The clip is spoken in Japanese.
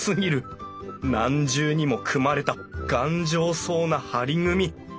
何重にも組まれた頑丈そうな梁組み。